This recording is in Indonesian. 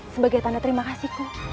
sebagai tanda terima kasihku